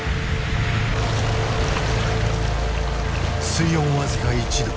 水温僅か１℃。